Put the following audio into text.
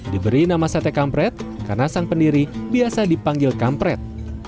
diberi nama sate kampret karena sang pendiri biasa dipanggil kampret